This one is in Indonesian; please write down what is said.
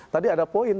tadi ada poin